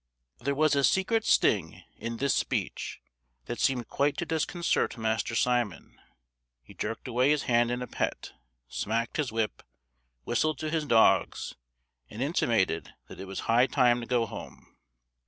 There was a secret sting in this speech that seemed quite to disconcert Master Simon. He jerked away his hand in a pet, smacked his whip, whistled to his dogs, and intimated that it was high time to go home.